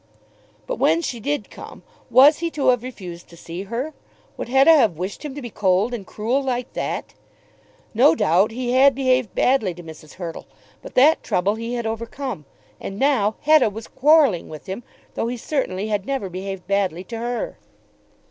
But when she did come, was he to have refused to see her? Would Hetta have wished him to be cold and cruel like that? No doubt he had behaved badly to Mrs. Hurtle; but that trouble he had overcome. And now Hetta was quarrelling with him, though he certainly had never behaved badly to her.